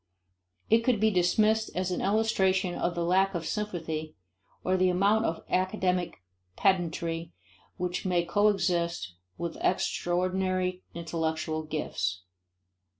It could be dismissed as an illustration of the lack of sympathy or the amount of academic pedantry which may coexist with extraordinary intellectual gifts.